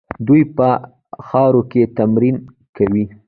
دوی په خاورو کې تمرین کوي.